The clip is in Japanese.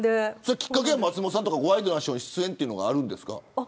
きっかけは松本さんとかワイドナショーの出演があるんですか。